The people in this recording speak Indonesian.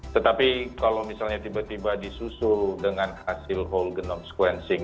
tetapi kalau misalnya tiba tiba disusul dengan hasil whole genome sequencing